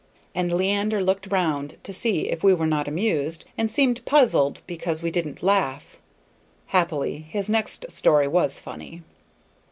And Leander looked round to see if we were not amused, and seemed puzzled because we didn't laugh. Happily, his next story was funny.